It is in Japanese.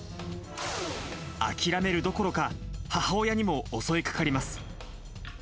諦めるどころか、母親にも襲いかかります。